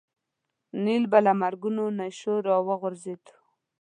نیل به له مرګونو نېشو راوغورځېد.